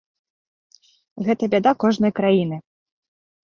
Гэта бяда кожнай краіны.